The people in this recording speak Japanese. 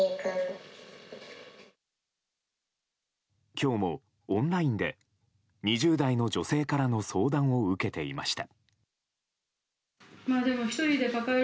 今日もオンラインで２０代の女性からの相談を受けていました。